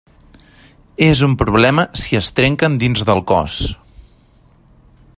És un problema si es trenquen dins del cos.